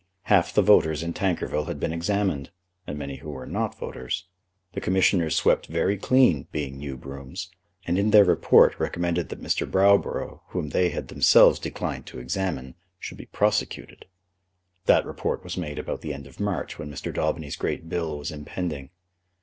Half the voters in Tankerville had been examined, and many who were not voters. The commissioners swept very clean, being new brooms, and in their report recommended that Mr. Browborough, whom they had themselves declined to examine, should be prosecuted. That report was made about the end of March, when Mr. Daubeny's great bill was impending.